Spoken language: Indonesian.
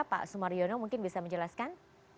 pak sumaryono mungkin bisa menjelaskan